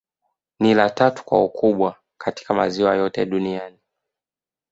Ni la tatu kwa ukubwa katika maziwa yote Duniani